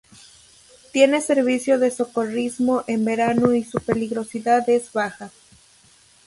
Tiene servicio de socorrismo en verano y su peligrosidad es baja.